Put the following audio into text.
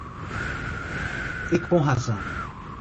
E com razão